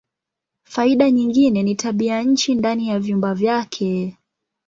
Faida nyingine ni tabianchi ndani ya vyumba vyake.